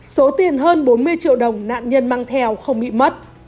số tiền hơn bốn mươi triệu đồng nạn nhân mang theo không bị mất